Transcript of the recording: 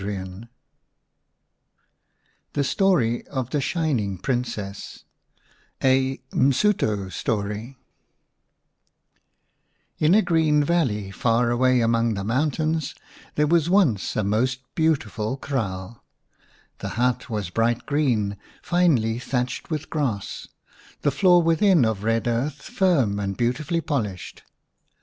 31 IV THE STORY OF THE SHINING PRINCESS A 'MSUTO STORY IN a green valley far away among the mountains there was once a most beautiful kraaL/The hut was bright green, finely thatched witn grass, the floor within of red earth, firm and beautifully polished.